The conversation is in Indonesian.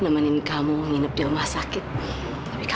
dan nanti kamu selalu begitu yang penting ke naga